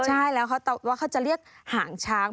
ใช่แล้วว่าเขาจะเรียกหางช้าง